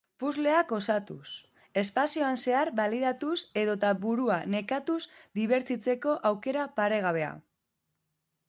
Puzzleak osatuz, espazioan zehar bidaiatuz edota burua nekatuz dibertitzeko aukera paregabea.